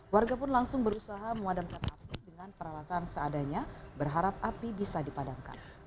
warga pun langsung berusaha memadamkan api dengan peralatan seadanya berharap api bisa dipadamkan